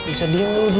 bisa diem lo juga duduk